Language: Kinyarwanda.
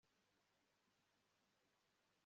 ndatahura igitekerezo cyibyiza ejo hazaza